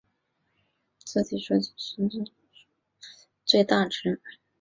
粗体数据代表从激发函数算出的最大值。